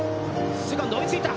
セカンド追いついた！